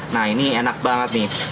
nah ini enak banget nih